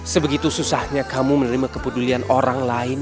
sebegitu susahnya kamu menerima kepedulian orang lain